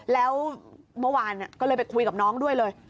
แล้วเมื่อวานก็เลยไปคุยกับน้องด้วยเลย